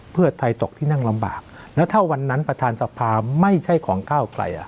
เพื่อไทยตกที่นั่งลำบากแล้วถ้าวันนั้นประธานสภาไม่ใช่ของก้าวไกล